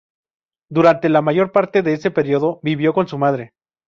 Durante la mayor parte de ese periodo vivió con su madre.